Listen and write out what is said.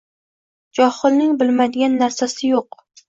Johilning bilmaydigan narsasi yo‘q.